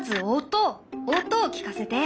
音を聞かせて。